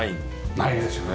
ないですよね。